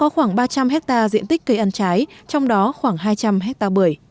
khoảng ba trăm linh hectare diện tích cây ăn trái trong đó khoảng hai trăm linh hectare bưởi